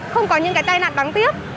không có những cái tai nạn bắn tiếp